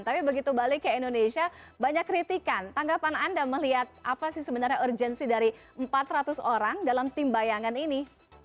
tapi begitu balik ke indonesia banyak kritikan tanggapan anda melihat apa sih sebenarnya urgensi dari empat ratus orang dalam tim bayangan ini